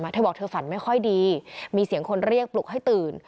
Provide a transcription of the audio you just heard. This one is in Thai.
เธอบอกเธอฝันไม่ค่อยดีมีเสียงคนเรียกปลุกให้ตื่น